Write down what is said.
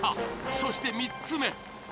そして、３つ目！